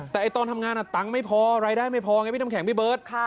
แต่ตอนทำงานตังค์ไม่พอรายได้ไม่พอไงพี่น้ำแข็งพี่เบิร์ต